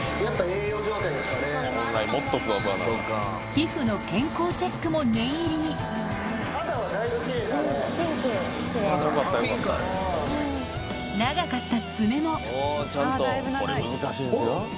皮膚の健康チェックも念入りに長かった爪もこれ難しいんですよ。